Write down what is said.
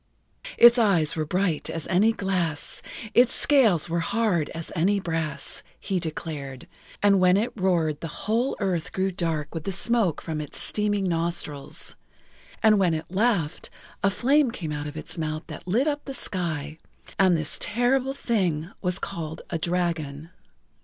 "Its eyes were bright as any glass, Its scales were hard as any brass," he declared, and when it roared the whole earth grew dark with the smoke from its steaming nostrils, and when it laughed a flame came out of its mouth that lit up the sky, and this Terrible Thing was called a dragon.